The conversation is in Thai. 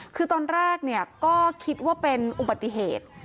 คือตอนแรกเนี่ยก็คิดว่าเป็นอุบัติเหตุ